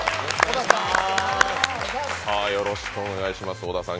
よろしくお願いします、小田さん